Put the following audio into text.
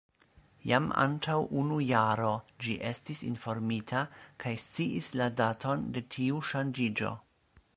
Jam antaŭ unu jaro ĝi estis informita kaj sciis la daton de tiu ŝanĝiĝo.